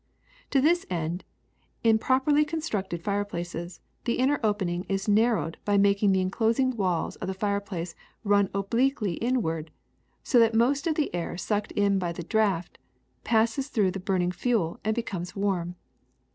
To this end, in properly constructed fireplaces, the inner opening is narrowed by making the enclosing walls of the fire place run obliquely inward so that most of the air sucked in by the draft passes through the burning fuel and becomes warm.